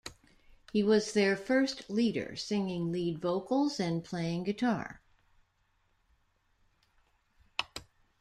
He was their first leader, singing lead vocals and playing guitar.